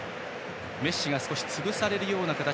メッシが少し潰されるような形。